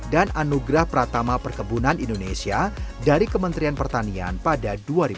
dan anugerah pratama perkebunan indonesia dari kementerian pertanian pada dua ribu dua puluh